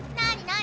何？